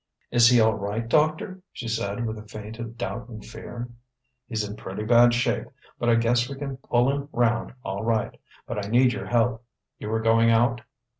"Is he all right, doctor?" she said with a feint of doubt and fear. "He's in pretty bad shape, but I guess we can pull him round, all right. But I need your help. You were going out?"